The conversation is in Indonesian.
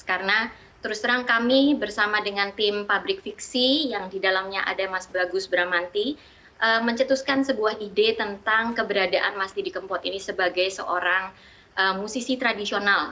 karena terus terang kami bersama dengan tim pabrik fiksi yang didalamnya ada mas bagus bramanti mencetuskan sebuah ide tentang keberadaan mas didi kempot ini sebagai seorang musisi tradisional